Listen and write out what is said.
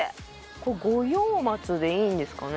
これ五葉松でいいんですかね？